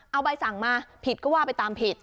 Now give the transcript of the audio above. เอาใบสั่งมาผิดก็ว่าไปตามผิด